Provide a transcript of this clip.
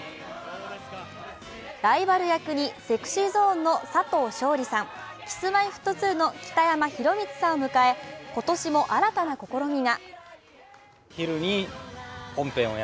ライバル役に、ＳｅｘｙＺｏｎｅの佐藤勝利さん、Ｋｉｓ−Ｍｙ−Ｆｔ２の北山宏光さんを迎え、今年も新たな試みが。